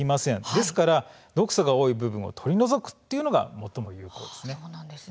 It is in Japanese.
ですから毒素が多い部分を取り除くというのが最も有効です。